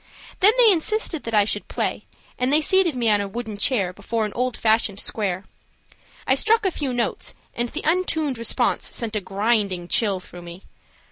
Then they insisted that I should play, and they seated me on a wooden chair before an old fashioned square. I struck a few notes, and the untuned response sent a grinding chill through me.